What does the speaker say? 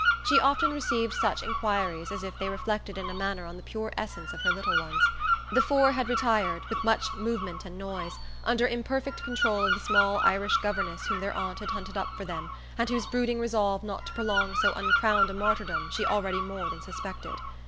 She often received such enquiries as if they reflected in a manner on the pure essence of her little ones. The four had retired, with much movement and noise, under imperfect control of the small Irish governess whom their aunt had hunted up for them and whose brooding resolve not to prolong so uncrowned a martyrdom she already more than suspected.